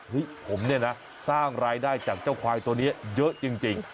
ผมเนี่ยนะสร้างรายได้จากเจ้าควายตัวนี้เยอะจริง